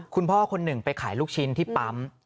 คุณพ่อคนหนึ่งไปขายลูกชิ้นที่ปั๊ม